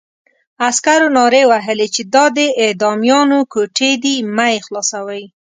عسکرو نارې وهلې چې دا د اعدامیانو کوټې دي مه یې خلاصوئ.